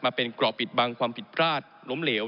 มาเป็นกรอบปิดบังความผิดพลาดล้มเหลว